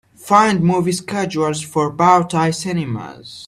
Find movie schedules for Bow Tie Cinemas.